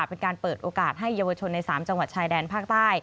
เป็นการเปิดโอกาสให้เยาวชนใน๓จังหวัดชายแดนภาคใต้